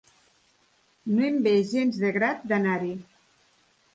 No em ve gens de grat d'anar-hi.